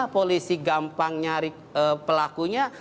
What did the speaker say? polisi gampang nyari pelakunya